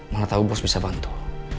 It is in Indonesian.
mana tahu bos bisa bantu